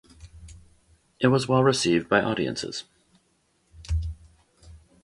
It was well received by audiences.